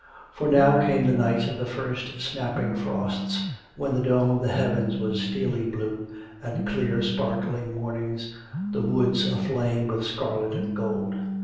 For now came the nights of the first snapping frosts when the dome of the heavens was steely blue, and clear sparkling mornings, the woods aflame with scarlet and gold.